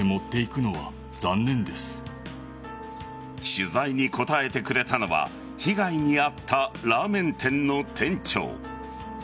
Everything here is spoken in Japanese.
取材に答えてくれたのは被害に遭ったラーメン店の店長。